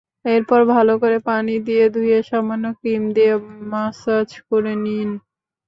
এরপর ভালো করে পানি দিয়ে ধুয়ে সামান্য ক্রিম দিয়ে ম্যাসাজ করে নিন।